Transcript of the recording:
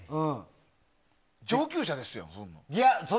上級者ですやん。